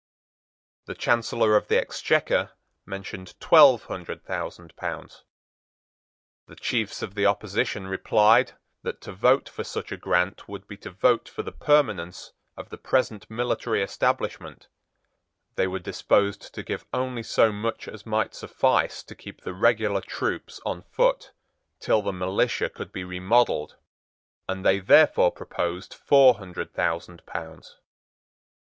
The Chancellor of the Exchequer mentioned twelve hundred thousand pounds. The chiefs of the opposition replied that to vote for such a grant would be to vote for the permanence of the present military establishment: they were disposed to give only so much as might suffice to keep the regular troops on foot till the militia could be remodelled and they therefore proposed four hundred thousand pounds.